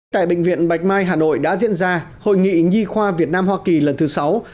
tại bệnh viện bạch mai hà nội đã diễn ra hội nghị nhi khoa việt nam hoa kỳ lần thứ sáu